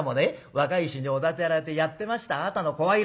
若い衆におだてられてやってましたあなたの声色。